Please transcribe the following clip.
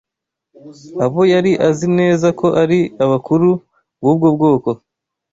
abo yari azi neza ko ari abakuru b’ubwo bwoko